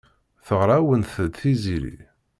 Teɣra-awent-d Tiziri.